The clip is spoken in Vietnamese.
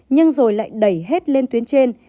nhưng rồi lại đẩy hết lên tuyến trên